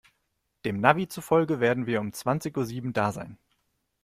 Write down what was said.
Dem Navi zufolge werden wir um zwanzig Uhr sieben da sein.